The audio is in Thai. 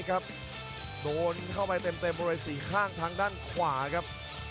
โอ้โหโอาโมงเลยสี่ข้างทางด้านขวาครับ